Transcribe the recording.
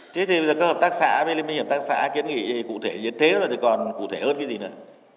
thế thì bây giờ các hợp tác xã với liên minh hợp tác xã kiến nghị cụ thể như thế là còn cụ thể hơn cái gì nữa